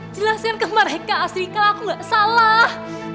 jelasin ke mereka astri kalau aku gak salah